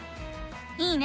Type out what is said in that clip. いいね！